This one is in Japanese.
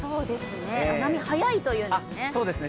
波が速いというんですね。